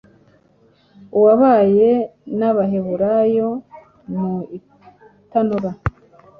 Uwabanye n’Abaheburayo mu itanura